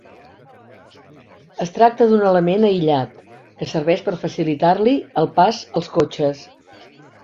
Es tracta d'un element aïllat que serveix per facilitar-li el pas als cotxes.